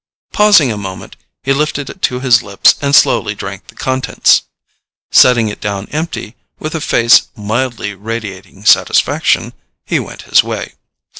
Pausing a moment, he lifted it to his lips and slowly drank the contents. Setting it down empty, with a face mildly radiating satisfaction, he went his way.